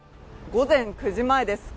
午前９時前です。